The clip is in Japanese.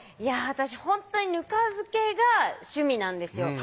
私ほんとにぬか漬けが趣味なんですよ